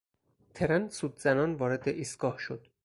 ترن سوت زنان وارد ایستگاه شد.